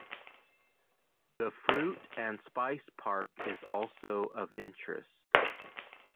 The Fruit and Spice Park is also of interest.